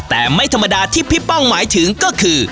แต่ไม่ธรรมดาที่พี่ป้องหมายถึงก็คือ